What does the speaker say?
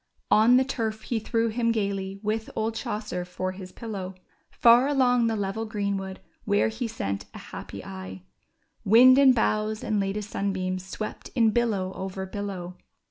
On the turf he threw him gayly with old Chaucer for his pillow ; Far along the level greenwood where he sent a happy eye Wind and boughs and latest sunbeams swept in billow over billow.